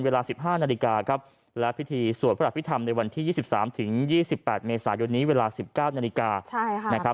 เวลา๑๙นาฬิกา